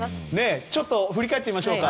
ちょっと振り返ってみましょうか。